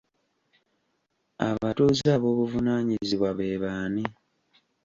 Abatuuze ab'obuvunaanyizibwa be baani?